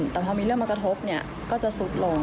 แต่พอมีเรื่องมากระทบก็จะสุดลง